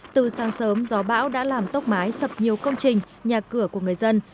từ sáng sớm gió bão đã làm tốc mái sập nhiều công trình nhà cửa của người dân